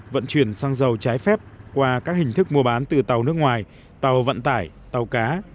vận chuyển xăng dầu trái phép qua các hình thức mua bán từ tàu nước ngoài tàu vận tải tàu cá